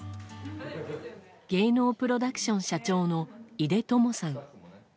芸能プロダクション社長の井出智さん。